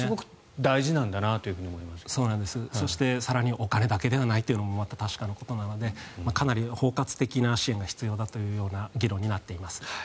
そして、更にお金だけではないのも重要なことなのでかなり包括的な支援が必要だというような議論になっています。